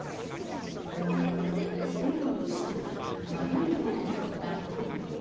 スペインの首都マドリードを襲った豪雨。